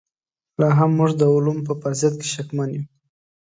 لاهم موږ د علومو په فرضیت کې شکمن یو.